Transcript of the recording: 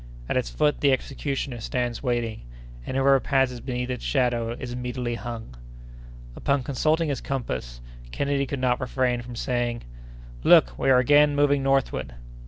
At its foot the executioner stands waiting, and whoever passes beneath its shadow is immediately hung! Upon consulting his compass, Kennedy could not refrain from saying: "Look! we are again moving northward."